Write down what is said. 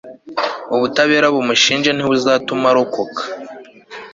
ubutabera bumushinja ntibuzatuma arokoka